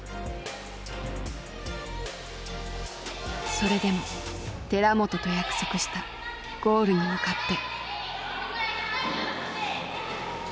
それでも寺本と約束したゴールに向かって。